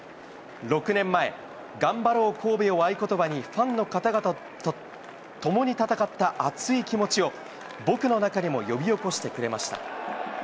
６年前、頑張ろう、神戸を合言葉にファンの方々と共に戦った熱い気持ちを、僕の中でも呼び起こしてくれました。